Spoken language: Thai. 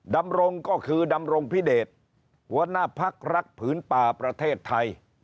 ดำรงก็คือดำรงพิเดชหัวหน้าพักรักผืนป่าประเทศไทย